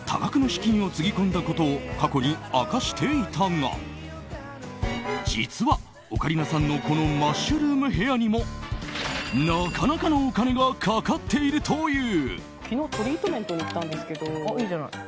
多額の資金をつぎ込んだことを過去に明かしていましたが実は、オカリナさんのマッシュルームヘアにもなかなかのお金がかかっているという。